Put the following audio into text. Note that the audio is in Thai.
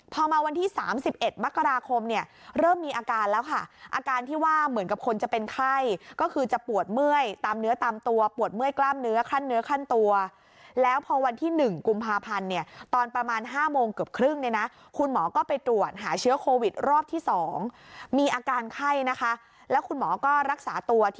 พอมาวันที่๓๑มกราคมเนี่ยเริ่มมีอาการแล้วค่ะอาการที่ว่าเหมือนกับคนจะเป็นไข้ก็คือจะปวดเมื่อยตามเนื้อตามตัวปวดเมื่อยกล้ามเนื้อขั้นเนื้อขั้นตัวแล้วพอวันที่๑กุมภาพันธ์เนี่ยตอนประมาณ๕โมงเกือบครึ่งเนี่ยนะคุณหมอก็ไปตรวจหาเชื้อโควิดรอบที่๒มีอาการไข้นะคะแล้วคุณหมอก็รักษาตัวที่